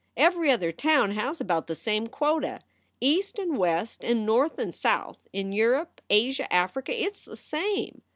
Every other town has about the same quota. East and West and North and South, in Europe, Asia, Africa it s the same.